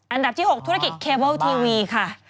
อันดับที่๖ธุรกิจเคเบิลทีวีค่ะ